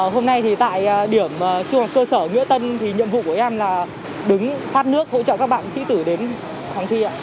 hôm nay tại điểm trung học cơ sở nghĩa tân thì nhiệm vụ của em là đứng phát nước hỗ trợ các bạn sĩ tử đến khóng thi